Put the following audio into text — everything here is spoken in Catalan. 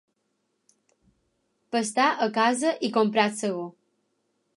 Pastar a casa i comprar el segó.